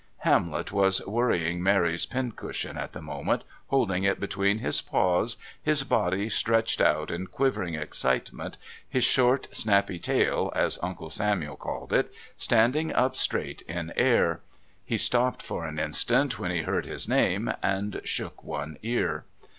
Hamlet was worrying Mary's pincushion at the moment, holding it between his paws, his body stretched out in quivering excitement, his short, "snappy" tail, as Uncle Samuel called it, standing up straight in air. He stopped for an instant when he heard his name, and shook one ear.